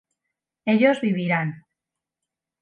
ellos vivirán